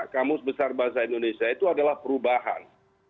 kamus besar bahasa indonesia itu adalah perubahan